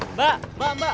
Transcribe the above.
mbak mbak mbak